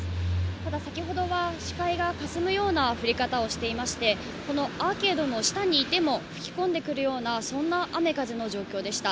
ただ先ほどは視界がかすむような降り方をしていましてこのアーケードの下にいても吹き込んでくるような雨・風の状況でした。